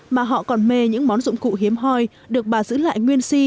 mà họ còn mê những món dụng cụ hiếm hoi được bà giữ lại nguyên si